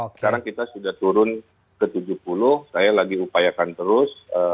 sekarang kita sudah turun ke tujuh puluh saya lagi upayakan terus